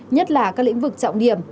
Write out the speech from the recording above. nhất là các lĩnh vực trọng điểm